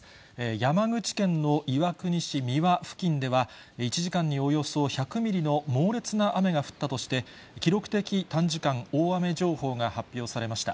山口県の岩国市美和付近では、１時間におよそ１００ミリの猛烈な雨が降ったとして、記録的短時間大雨情報が発表されました。